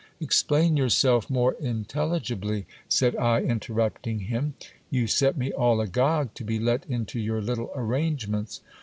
Explain yourself more intelligibly, said I, interrupting him. You set me all agog to be let into your little arrangements.